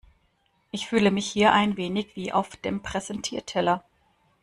Ich fühle mich hier ein wenig wie auf dem Präsentierteller.